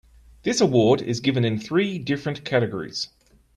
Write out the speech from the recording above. This award is given in three different categories.